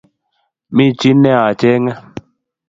Mi chi ne acheng’e